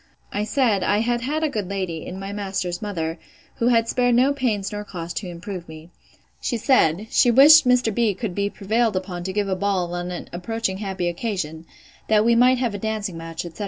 I said, I had had a good lady, in my master's mother, who had spared no pains nor cost to improve me. She said, she wished Mr. B—— could be prevailed upon to give a ball on an approaching happy occasion, that we might have a dancing match, etc.